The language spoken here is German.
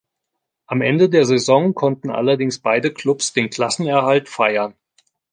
Am Ende der Saison konnten allerdings beide Clubs den Klassenerhalt feiern.